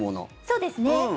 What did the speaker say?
そうですね。